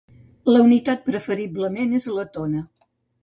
La unitat preferiblement és la tona.